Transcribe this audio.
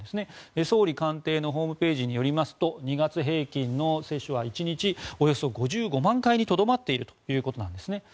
総理官邸のホームページによりますと２月平均の接種は１日およそ５５万回にとどまっているということなんです。